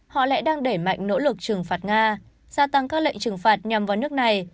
họ lại đang đẩy mạnh nỗ lực trừng phạt nga gia tăng các lệnh trừng phạt nhằm vào nước này